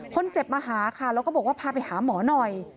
คนเจ็บมาหาค่ะแล้วก็บอกว่าพาไปหาหมอหน่อย